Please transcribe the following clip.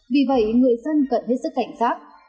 vì vậy người dân cần hết sức cảnh sát